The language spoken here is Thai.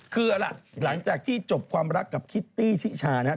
คือล่ะหลังจากที่จบความรักกับคิตตี้ชิชานะครับ